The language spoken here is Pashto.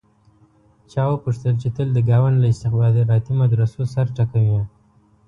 چا وپوښتل چې تل د ګاونډ له استخباراتي مدرسو سر ټکوې.